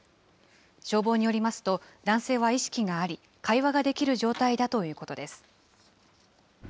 消防によりますと、男性は意識があり、会話ができる状態だということです。